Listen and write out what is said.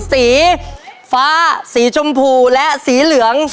สีฟ้าสีชมพูและสีเหลือง